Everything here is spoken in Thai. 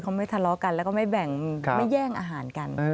เขาไม่ทะเลาะกันแล้วก็ไม่แย่งอาหารกัน